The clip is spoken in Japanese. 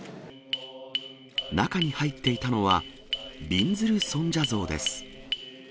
中に入っていたのは、びんずる尊者像です。